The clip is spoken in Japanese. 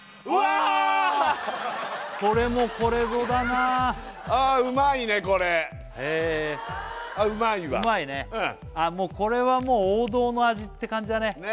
うわこれもこれぞだなあうまいねこれあっうまいわうまいねこれはもう王道の味って感じだね